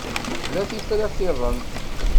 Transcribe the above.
Tella tifrat-iḍen?